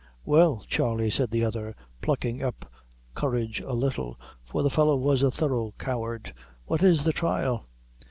"Well, Charley," said the other, plucking up courage a little, for the fellow was a thorough coward, "what is the thrial?"